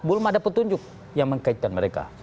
belum ada petunjuk yang mengkaitkan mereka